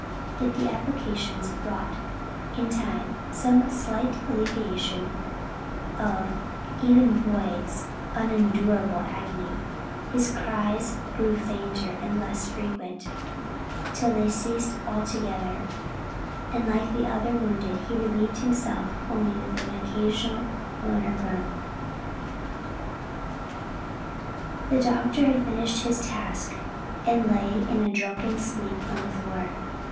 Yet the applications brought, in time, some slight alleviation of even Boyd's unendurable agony; his cries grew fainter and less frequent, till they ceased altogether, and like the other wounded he relieved himself only with an occasional moan or groan. The doctor had finished his task, and lay in a drunken sleep on the floor.